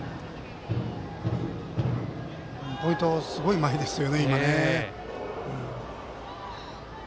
ポイントがすごい前でしたね。